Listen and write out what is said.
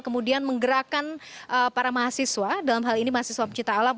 kemudian menggerakkan para mahasiswa dalam hal ini mahasiswa pencipta alam